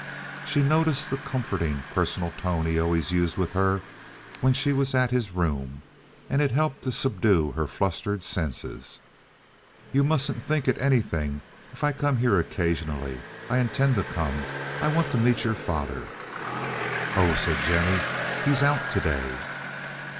She noticed the comforting, personal tone he always used with her when she was at his room, and it helped to subdue her flustered senses. "You mustn't think it anything if I come here occasionally. I intend to come. I want to meet your father." "Oh," said Jennie, "he's out to day."